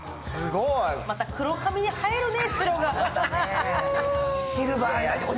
また黒髪に映えるね。